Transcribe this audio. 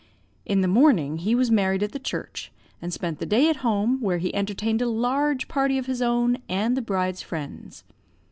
In the morning, he was married at the church, and spent the day at home, where he entertained a large party of his own and the bride's friends.